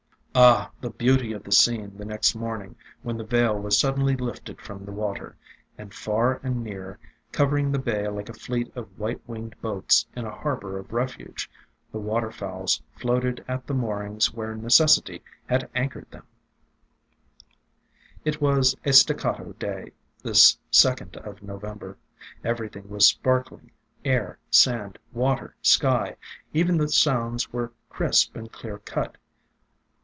Ah ! the beauty of the scene the next morning when the veil was suddenly lifted from the water, and far and near, covering the bay like a fleet of white winged boats in a harbor of refuge, the water fowls floated at the moorings where necessity had anchored them ! 326 AFTERMATH It was a staccato day, this second of November. Every thing was sparkling, — air, sand, water, sky. Even the sounds were crisp and clear cut.